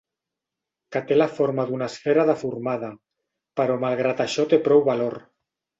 Que té la forma d'una esfera deformada, però malgrat això té prou valor.